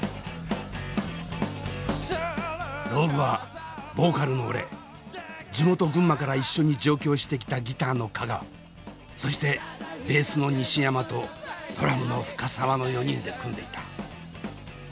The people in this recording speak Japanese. ＲＯＧＵＥはボーカルの俺地元群馬から一緒に上京してきたギターの香川そしてベースの西山とドラムの深澤の４人で組んでいた。